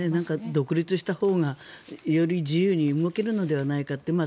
独立したほうがより自由に動けるのではないかと。